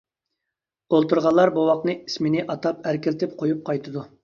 ئولتۇرغانلار بوۋاقنى ئىسمىنى ئاتاپ ئەركىلىتىپ قويۇپ قايتىدۇ.